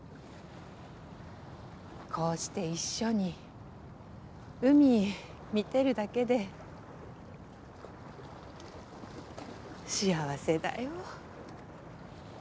こうして一緒に海見てるだけで幸せだよ。